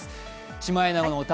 「シマエナガの歌」